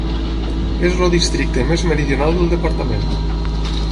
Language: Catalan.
És el districte més meridional del departament.